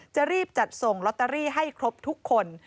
จะรีบจัดส่งลอตเตอรี่ให้ครบทุกคน